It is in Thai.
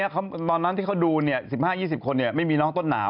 ตอนนั้นที่เขาดู๑๕๒๐คนไม่มีน้องต้นหนาว